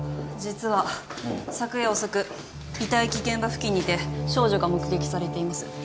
実は昨夜遅く遺体遺棄現場付近にて少女が目撃されています。